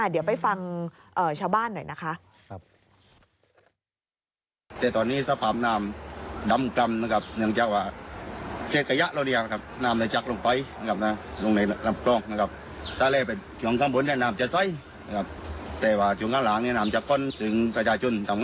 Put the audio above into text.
เดี๋ยวไปฟังชาวบ้านหน่อยนะคะ